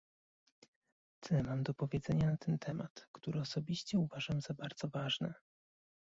Tyle mam do powiedzenia na ten temat, który osobiście uważam za bardzo ważny